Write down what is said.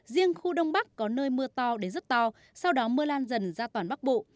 riêng khu đông bắc có nơi mưa to đến rất to sau đó mưa lan dần ra toàn bắc bộ